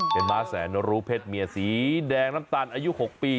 เป็นม้าแสนรู้เพศเมียสีแดงน้ำตาลอายุ๖ปี